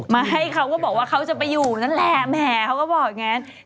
มาให้เขาก็บอกว่าเขาจะไปอยู่นั่นแหละแหมเขาก็บอกอย่างนั้น